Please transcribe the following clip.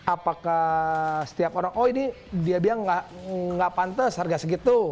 apakah setiap orang oh ini dia bilang nggak pantas harga segitu